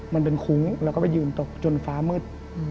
มันเป็นคุ้งแล้วก็ไปยืนตกจนฟ้ามืด